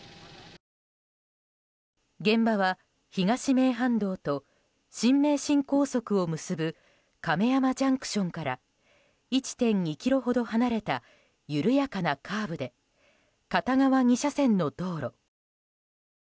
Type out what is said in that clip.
現場は東名阪道と新名神高速を結ぶ亀山ＪＣＴから１．２ｋｍほど離れた緩やかなカーブで片側２車線の道路。